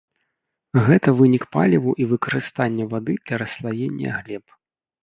Гэта вынік паліву і выкарыстання вады для расслаення глеб.